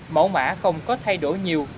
mẫu mã không có thay đổi nhiều